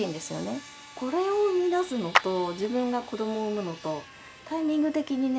これを生み出すのと自分が子どもを産むのとタイミング的にね